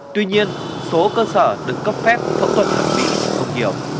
tuy nhiên số cơ sở được cấp phép phẫu thuật thẩm mỹ không nhiều